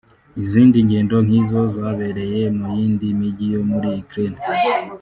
Izindi ngendo nk’izo zabereye mu yindi mijyi yo muri Ukraine